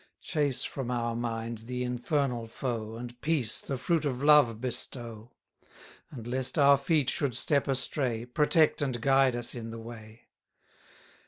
Chase from our minds the infernal foe, And peace, the fruit of love, bestow; And, lest our feet should step astray, Protect and guide us in the way.